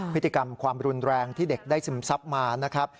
พฤติกรรมความรุนแรงที่เด็กได้ซึมซับมานะครับ